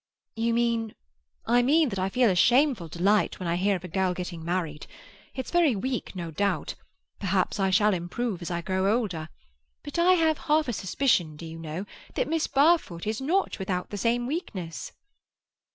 "You mean—" "I mean that I feel a shameful delight when I hear of a girl getting married. It's very weak, no doubt; perhaps I shall improve as I grow older. But I have half a suspicion, do you know, that Miss Barfoot is not without the same weakness."